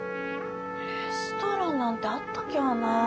レストランなんてあったきゃな。